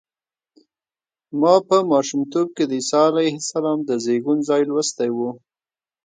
ما په ماشومتوب کې د عیسی علیه السلام د زېږون ځای لوستی و.